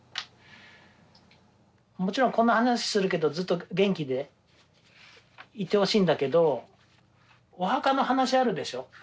もちろんこんな話するけどずっと元気でいてほしいんだけどお墓の話あるでしょ。